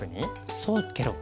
そうケロ。